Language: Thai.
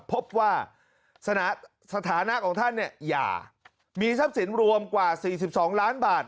พบว่าสถานะของท่านเนี่ยอย่ามีทรัพย์สินรวมกว่า๔๒ล้านบาท